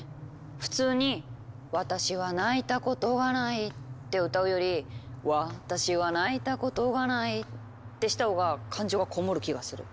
普通に「私は泣いたことがない」って歌うより「私は泣いたことがない」ってしたほうが感情がこもる気がする。